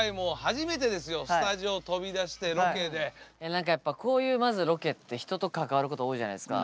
なんかやっぱこういうまずロケって人と関わること多いじゃないですか。